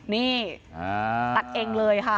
นี่ตัดเองเลยค่ะ